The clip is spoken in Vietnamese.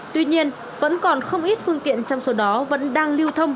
tuy nhiên vẫn còn không ít phương tiện trong số đó vẫn đang lưu thông